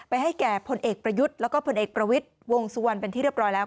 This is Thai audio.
ให้แก่พลเอกประยุทธ์แล้วก็ผลเอกประวิทย์วงสุวรรณเป็นที่เรียบร้อยแล้ว